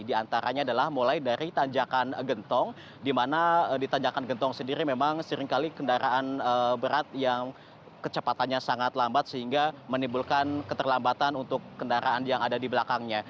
di antaranya adalah mulai dari tanjakan gentong di mana di tanjakan gentong sendiri memang seringkali kendaraan berat yang kecepatannya sangat lambat sehingga menimbulkan keterlambatan untuk kendaraan yang ada di belakangnya